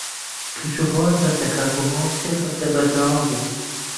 کەشوهەوا ساردەکە بۆ ماوەی سێ هەفتە بەردەوام بوو.